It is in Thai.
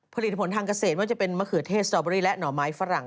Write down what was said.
ผลิตผลทางเกษตรว่าจะเป็นมะเขือเทศสตอเบอรี่และหน่อไม้ฝรั่ง